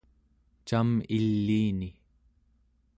cam iliini